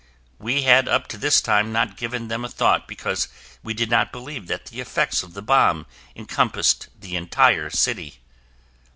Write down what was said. We had up to this time not given them a thought because we did not believe that the effects of the bomb encompassed the entire city.